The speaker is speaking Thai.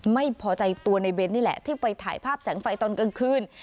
ไม่พอใจตัวในเบ้นนี่แหละที่ไปถ่ายภาพแสงไฟตอนกลางคืน